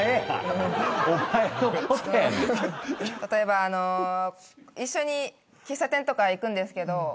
例えば一緒に喫茶店とか行くんですけど。